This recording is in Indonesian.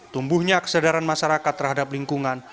tumbuhnya kesadaran masyarakat terhadap lingkungan